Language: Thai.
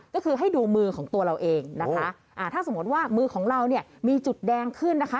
ก็คือให้ดูมือของตัวเราเองนะคะอ่าถ้าสมมติว่ามือของเราเนี่ยมีจุดแดงขึ้นนะคะ